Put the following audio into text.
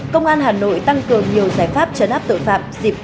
công an hà nội tăng cường nhiều giải pháp chấn áp tội phạm dịp tết nguyên đán